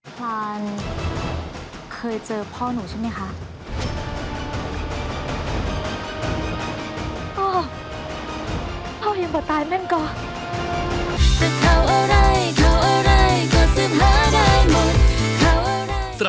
พรานเคยเจอพ่อหนูใช่ไหมคะ